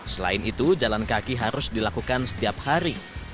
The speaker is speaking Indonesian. selain itu jalan kaki harus dilakukan setiap hari